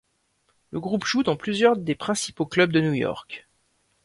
Le groupe joue dans plusieurs des principaux clubs de New York.